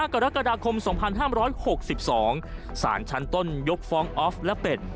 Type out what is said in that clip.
กรกฎาคม๒๕๖๒สารชั้นต้นยกฟ้องออฟและเป็ด